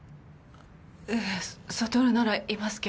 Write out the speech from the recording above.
ええ悟ならいますけど。